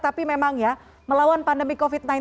tapi memang ya melawan pandemi covid sembilan belas